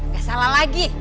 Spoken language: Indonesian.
gak salah lagi